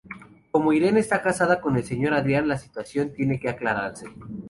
Como Irene está casada con el señor Adrián, la situación tiene que aclararse.